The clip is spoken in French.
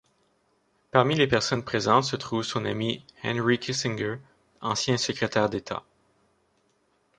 Parmi les personnes présentes se trouve son ami Henry Kissinger, ancien secrétaire d'État.